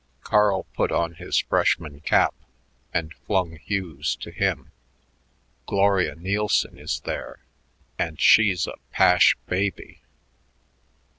Carl put on his freshman cap and flung Hugh's to him. "Gloria Nielsen is there, and she's a pash baby.